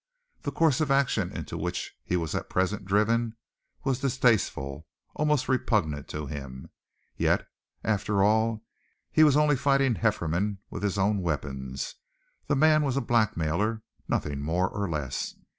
The course of action into which he was at present driven was distasteful almost repugnant to him. Yet, after all, he was only fighting Hefferom with his own weapons. The man was a blackmailer, nothing more or less.